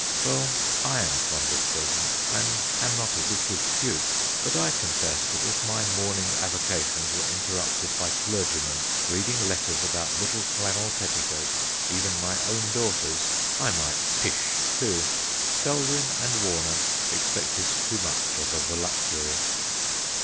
Well, I am fond of children, and am not a wicked duke, but I confess that if my morning avocations were interrupted by clergymen reading letters about little flannel petticoats, even my own daughter's, I might pish too. Selwyn and Warner expected too much of a voluptuary.